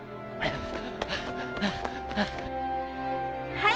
はい